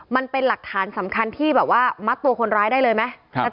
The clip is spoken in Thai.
มันเป็นหลักฐานสำคัญที่แบบว่ามัดตัวคนร้ายได้เลยไหม